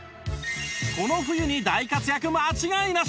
この冬に大活躍間違いなし